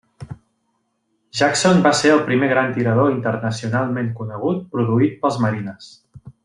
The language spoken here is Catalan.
Jackson va ser el primer gran tirador internacionalment conegut produït pels marines.